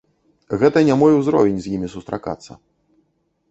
Гэта не мой узровень з імі сустракацца.